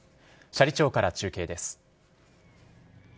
斜里町から中継です。